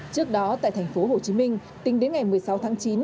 trước đó tại thành phố hồ chí minh tính đến ngày một mươi sáu tháng chín